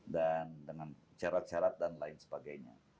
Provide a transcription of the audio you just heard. dan dengan syarat syarat dan lain sebagainya